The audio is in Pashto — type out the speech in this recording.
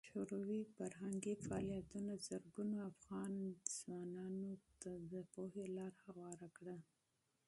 شوروي فرهنګي فعالیتونه زرګونو افغان ځوانانو ته د پوهې لار هواره کړه.